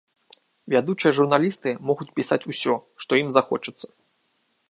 Вядучыя журналісты могуць пісаць усё, што ім захочацца.